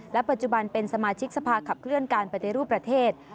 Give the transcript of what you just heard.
ปัจจุบันเป็นสมาชิกสภาขับเคลื่อนการปฏิรูปประเทศ